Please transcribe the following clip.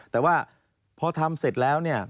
แต่ว่าพอทำเสร็จแล้วเนี่ย